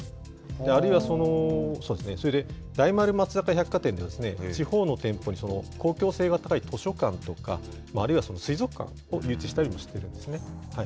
あるいは大丸松坂屋百貨店ですね、地方の店舗に、公共性が高い図書館とか、あるいは水族館を誘致したりしているんですね。